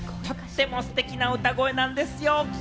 とってもステキな歌声なんですよ。